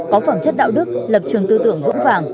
có phẩm chất đạo đức lập trường tư tưởng vững vàng